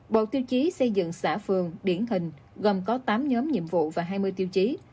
bộ tiêu chí xây dựng xã phường điển hình gồm có tám nhóm nhiệm vụ và hai mươi tiêu chí